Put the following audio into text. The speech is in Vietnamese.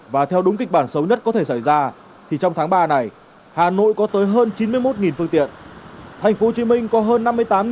và theo đúng kịch bản xấu nhất có thể xảy ra thì trong tháng ba này hà nội có tới hơn chín mươi một phương tiện thành phố hồ chí minh có hơn năm mươi tám phương tiện đến hạ đăng kiểm